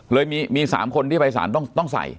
เลยมี๓คนที่ไปสารต้องใส่